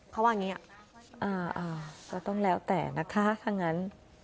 เขาว่าอย่างนี้ก็ต้องแล้วแต่นะคะถ้างั้น